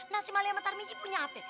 nah si mali tarimiji punya apa